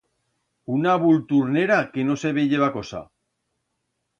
Una vulturnera que no se veyeba cosa.